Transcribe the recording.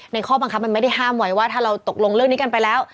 ข้อบังคับมันไม่ได้ห้ามไว้ว่าถ้าเราตกลงเรื่องนี้กันไปแล้ว